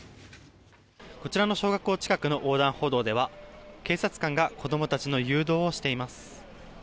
こちらの小学校近くの横断歩道では警察官が子どもたちの誘導をしています。